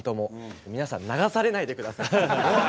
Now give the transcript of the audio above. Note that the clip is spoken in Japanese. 皆さん流されないで下さい！